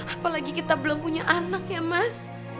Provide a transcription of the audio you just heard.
apalagi kita belum punya anak ya mas